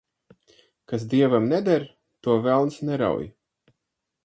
Kas dievam neder, to velns nerauj.